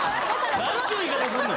何ちゅう言い方すんねん！